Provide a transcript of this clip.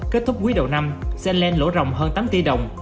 kết thúc quý đầu năm sandland lỗ rộng hơn tám tỷ đồng